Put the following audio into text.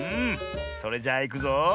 それじゃあいくぞ。